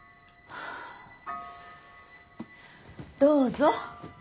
どうぞ。